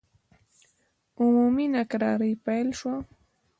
عمومي ناکراري پیل شوه.